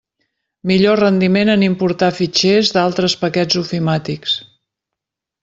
Millor rendiment en importar fitxers d'altres paquets ofimàtics.